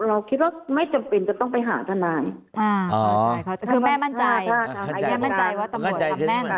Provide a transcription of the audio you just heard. เราคิดว่าไม่จำเป็นจะต้องไปหาทนายคือแม่มั่นใจแม่มั่นใจว่าตำรวจทำแม่น